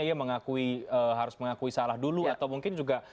dia harus mengakui salah dulu atau mungkin juga